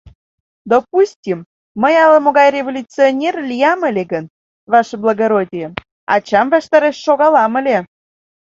Допустим, мый ала-могай революционер лиям ыле гын, ваше благородие, ачам ваштареш шогалам ыле.